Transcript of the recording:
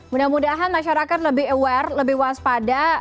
mudah mudahan masyarakat lebih aware lebih waspada